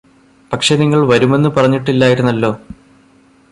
പക്ഷെ നിങ്ങള് വരുമെന്ന് പറഞ്ഞിട്ടില്ലായിരുന്നല്ലോ